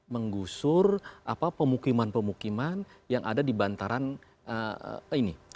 menggusur pemukiman pemukiman yang ada di bantaran ini